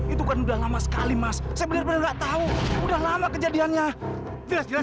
itu kan udah lama sekali mas saya benar benar enggak tahu udah lama kejadiannya jelas jelas